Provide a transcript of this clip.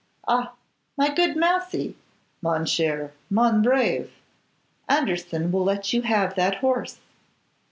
Ah! my good Massey, mon cher, mon brave, Anderson will let you have that horse.